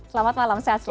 selamat malam sehat selalu